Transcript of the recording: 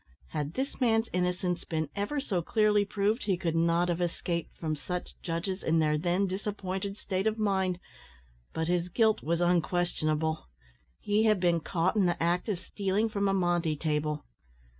Had this man's innocence been ever so clearly proved he could not have escaped from such judges in their then disappointed state of mind; but his guilt was unquestionable. He had been caught in the act of stealing from a monte table.